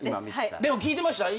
でも聞いてました？